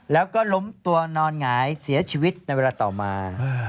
แล้วก็ล้มตัวนอนหงายเสียชีวิตในเวลาต่อมา